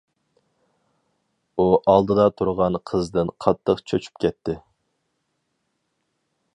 ئۇ ئالدىدا تۇرغان قىزدىن قاتتىق چۆچۈپ كەتتى.